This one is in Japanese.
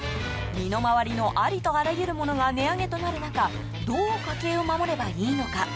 身の回りのありとあらゆるものが値上げとなる中どう家計を守ればいいのか。